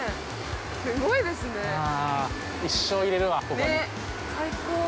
すごいですねー。